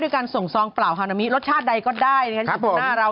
ด้วยการส่งซองเปล่าฮานามีรสชาติใดก็ได้นะครับ